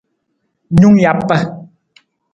Nung japa.